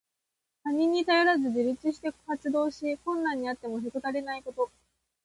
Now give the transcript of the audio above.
他人に頼らず自立して活動し、困難にあってもへこたれないこと。